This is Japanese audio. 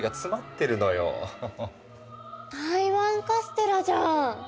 台湾カステラじゃん！